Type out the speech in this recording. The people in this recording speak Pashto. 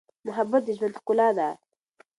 محبت د ژوند ښکلا ده.